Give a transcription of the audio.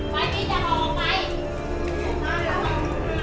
นะสุนะสุมานี่ก่อน